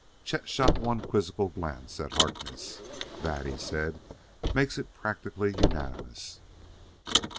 Chet shot one quizzical glance at Harkness. "That," he said, "makes it practically unanimous."